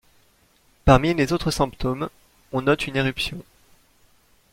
Parmi les autres symptômes, on note une éruption.